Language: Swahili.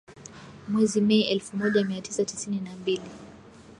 Mwezi Mei elfu moja mia tisa sitini na mbili